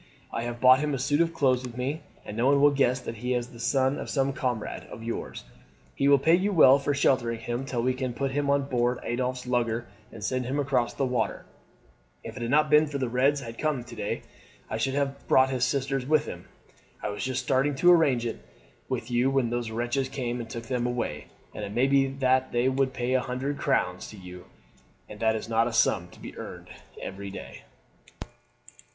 I have brought him a suit of clothes with me, and no one will guess that he is not the son of some comrade of yours. He will pay you well for sheltering him till we can put him on board Adolphe's lugger and send him across the water. If it had not been that the Reds had come to day I should have brought his sisters with him. I was just starting to arrange it with you when those wretches came and took them away, and it may be that they would pay a hundred crowns to you, and that is not a sum to be earned every day."